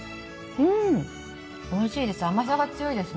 うんおいしいです。